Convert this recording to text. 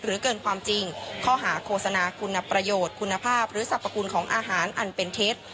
เกินความจริงข้อหาโฆษณาคุณประโยชน์คุณภาพหรือสรรพคุณของอาหารอันเป็นเท็จ